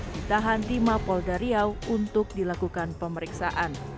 ditahan di mapolda riau untuk dilakukan pemeriksaan